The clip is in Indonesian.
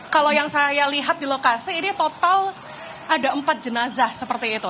kalau yang saya lihat di lokasi ini total ada empat jenazah seperti itu